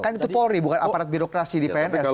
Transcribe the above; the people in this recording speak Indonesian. kan itu polri bukan aparat birokrasi di pns